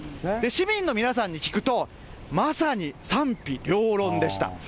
市民の皆さんに聞くと、まさに賛否両論でした。